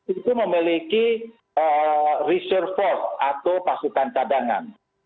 itu memiliki reserve force atau pasukan cadangan